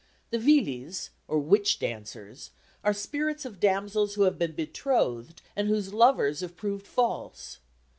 The Villis, or witch dancers, are spirits of damsels who have been betrothed and whose lovers have proved false.